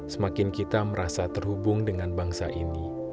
semakin kita merasa terhubung dengan bangsa ini